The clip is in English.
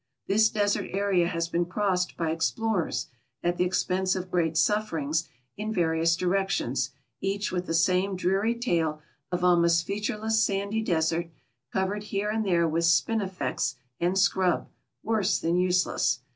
This desert area has been crossed by explorers, at the' ex pense of great sufferings, in various directions, each with the same dreary tale of almost featureless sandy desert, covered here and there with spinifex and scrub, worse than useless.